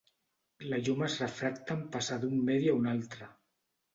La llum es refracta en passar d'un medi a un altre.